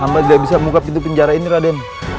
ambat gak bisa buka pintu penjara ini raden